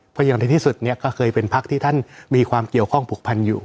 เพราะอย่างในที่สุดเนี่ยก็เคยเป็นพักที่ท่านมีความเกี่ยวข้องผูกพันอยู่